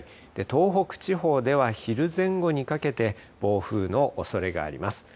東北地方では昼前後にかけて暴風のおそれがあります。